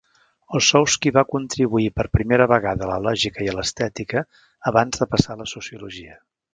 Ossowski va contribuir per primera vegada a la lògica i a l'estètica abans de passar a la sociologia.